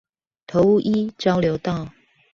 頭屋一交流道